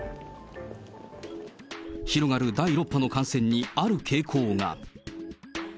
広がる第６波の感染にある傾向が。